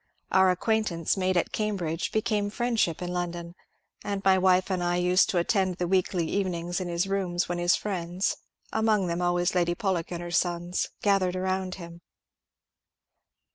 Our acquaintance made at Cambridge became friendship in London, and my wife and I used to attend the weekly evenings in his rooms when his friends — among them always Lady Pollock and her sons —% gathered around him.